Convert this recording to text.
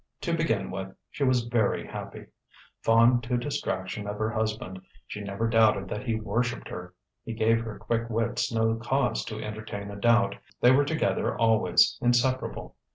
To begin with, she was very happy. Fond to distraction of her husband, she never doubted that he worshipped her; he gave her quick wits no cause to entertain a doubt. They were together always, inseparable.